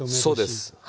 そうです。